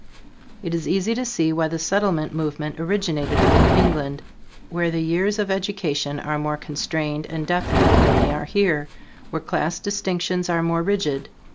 It is easy to see why the Settlement movement originated in England, where the years of education are more constrained and definite than they are here, where class distinctions are more rigid.